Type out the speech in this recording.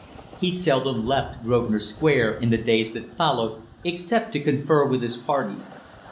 He seldom left Grosvenor Square in the days that followed, except to confer with his party.